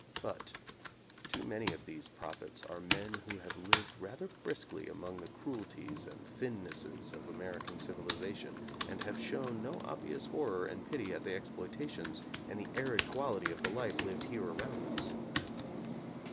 But too many of these prophets are men who have lived rather briskly among the cruelties and thinnesses of American civilization and have shown no obvious horror and pity at the exploitations and the arid quality of the life lived here around us.